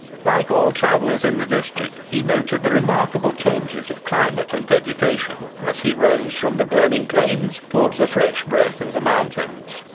Like all travellers in the district, he noted the remarkable changes of climate and vegetation, as he rose from the burning plains towards the fresh breath of the mountains.